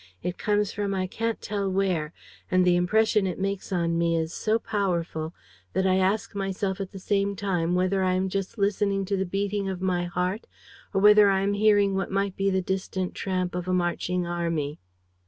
It comes from I can't tell where; and the impression it makes on me is so powerful that I ask myself at the same time whether I am just listening to the beating of my heart or whether I am hearing what might be the distant tramp of a marching army.